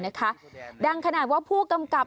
ดังขนาดว่าผู้กำกับ